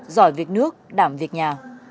giỏi việc nước đảm việc nhà